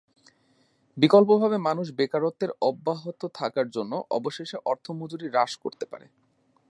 বিকল্পভাবে, মানুষ বেকারত্বের অব্যাহত থাকার জন্য অবশেষে অর্থ মজুরি হ্রাস করতে পারে।